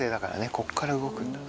ここから動くんだな。